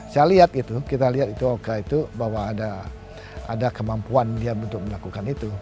saya lihat itu kita lihat itu oka itu bahwa ada kemampuan dia untuk melakukan itu